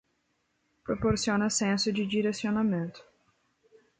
Proporciona senso de direcionamento